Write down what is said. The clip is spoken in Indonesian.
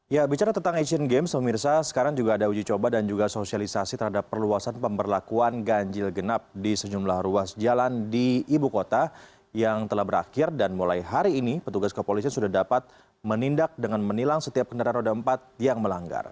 ya bicara tentang asian games pemirsa sekarang juga ada uji coba dan juga sosialisasi terhadap perluasan pemberlakuan ganjil genap di sejumlah ruas jalan di ibu kota yang telah berakhir dan mulai hari ini petugas kepolisian sudah dapat menindak dengan menilang setiap kendaraan roda empat yang melanggar